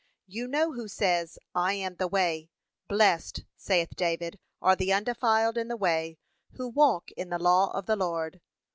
You know who says, 'I am the way.' 'Blessed,' saith David, 'are the undefiled in the way, who walk in the law of the Lord.'